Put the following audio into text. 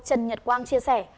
trần nhật quang chia sẻ